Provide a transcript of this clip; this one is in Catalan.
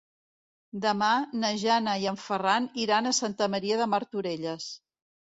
Demà na Jana i en Ferran iran a Santa Maria de Martorelles.